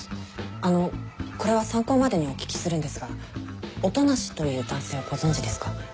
あのこれは参考までにお聞きするんですが音無という男性をご存じですか？